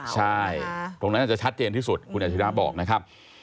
ใช่ตรงนั้นอาจจะชัดเจนที่สุดคุณอาชิระบอกนะครับ